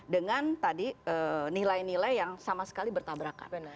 dengan tadi nilai nilai yang sama sekali bertabrakan